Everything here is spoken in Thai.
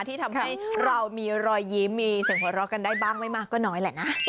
ที่ทำให้เรามีรอยยิ้มมีเสียงหัวเราะกันได้บ้างไม่มากก็น้อยแหละนะ